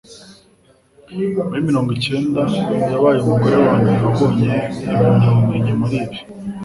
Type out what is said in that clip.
Muri mirongo icyenda yabaye umugore wa mbere wabonye impamyabumenyi muri ibi